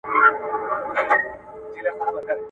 که لوستل دوام ولري نو پوهه نه کمېږي.